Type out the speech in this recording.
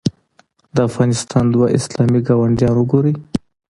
د افغانستان دوه اسلامي ګاونډیان وګورئ.